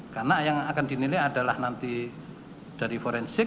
karena yang akan dinilai adalah nanti dari forensik